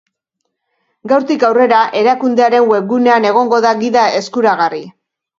Gaurtik aurrera erakundearen webgunean egongo da gida eskuragarri.